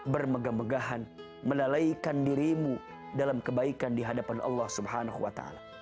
bermegah megahan menalaikan dirimu dalam kebaikan dihadapan allah swt